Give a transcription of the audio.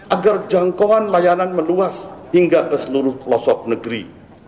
agar jangkauan layanan meluas hingga ke seluruh pelosok negeri